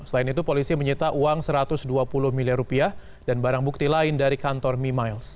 selain itu polisi menyita uang satu ratus dua puluh miliar rupiah dan barang bukti lain dari kantor mimiles